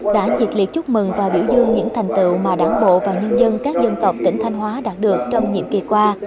đã nhiệt liệt chúc mừng và biểu dương những thành tựu mà đảng bộ và nhân dân các dân tộc tỉnh thanh hóa đạt được trong nhiệm kỳ qua